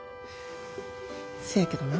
せやけどな